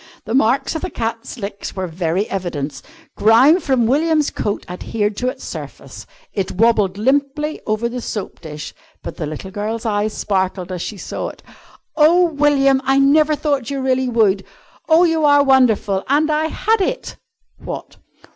The marks of the cat's licks were very evident; grime from William's coat adhered to its surface; it wobbled limply over the soap dish, but the little girl's eyes sparkled as she saw it. "Oh, William, I never thought you really would! Oh, you are wonderful! And I had it!" "What?"